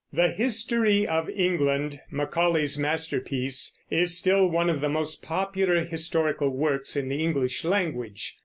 The History of England, Macaulay's masterpiece, is still one of the most popular historical works in the English language.